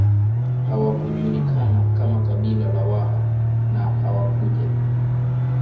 Hawakujulikana kama kabila la Waha na hawakuja